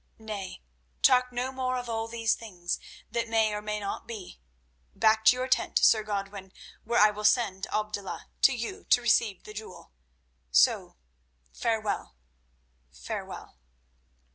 Nay, talk no more of all these things that may or may not be. Back to your tent, Sir Godwin, where I will send Abdullah to you to receive the jewel. So, farewell, farewell."